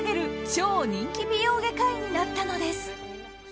超人気美容外科医になったのです。